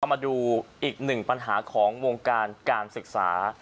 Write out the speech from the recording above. มาดูอีกหนึ่งปัญหาของวงการการศึกษา